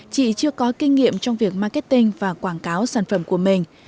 chị chưa có kinh nghiệm trong việc marketing và quảng cáo sản phẩm của mình